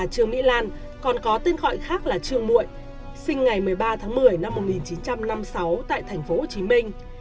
trương mỹ lan còn có tên gọi khác là trương mụi sinh ngày một mươi ba tháng một mươi năm một nghìn chín trăm năm mươi sáu tại thành phố hồ chí minh